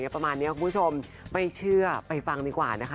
ประมาณนี้คุณผู้ชมไม่เชื่อไปฟังดีกว่านะคะ